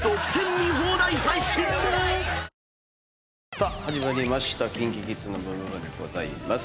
さあ始まりました『ＫｉｎＫｉＫｉｄｓのブンブブーン！』です。